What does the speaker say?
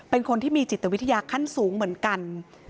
เป็นคนที่มีจิตวิทยาขั้นสูงเหมือนกัน